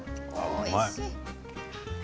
おいしい！